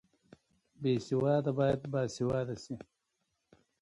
بې سواده باید باسواده شي